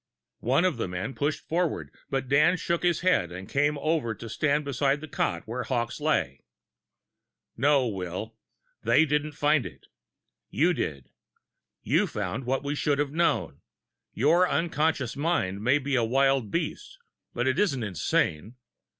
One of the men pushed forward, but Dan shook his head, and came over to stand beside the cot where Hawkes lay. "No, Will. They didn't find it you did! You found what we should have known your unconscious mind may be a wild beast, but it isn't insane.